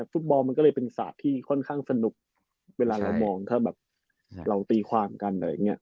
ฟุตบอลมันก็เลยเป็นศาสตร์ที่ค่อนข้างสนุกเวลาเรามองถ้าเราตีความกัน